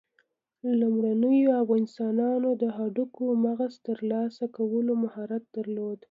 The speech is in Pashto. لومړنیو انسانانو د هډوکو مغز ترلاسه کولو مهارت درلود.